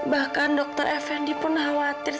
bahkan dokter effendi pun khawatir